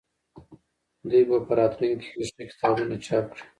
دوی به په راتلونکي کې ښه کتابونه چاپ کړي.